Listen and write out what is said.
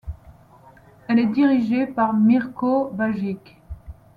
Elle est dirigée par Mirko Bajić.